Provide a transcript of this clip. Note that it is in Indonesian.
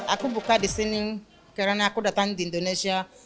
aku buka di sini karena aku datang di indonesia